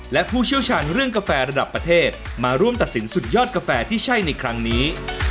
และผู้เชี่ยวชาญเรื่องกาแฟระดับประเทศมาร่วมตัดสินสุดยอดกาแฟที่ใช่ในครั้งนี้